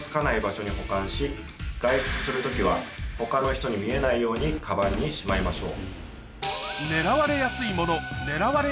外出する時は他の人に見えないようにカバンにしまいましょう。